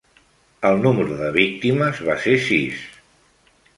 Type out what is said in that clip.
El número de víctimes va ser sis.